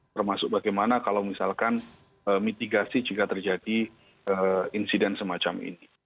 termasuk bagaimana kalau misalkan mitigasi jika terjadi insiden semacam ini